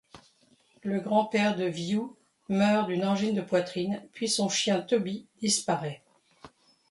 Le grand-père de Viou meurt d’une angine de poitrine puis son chien Toby disparaît.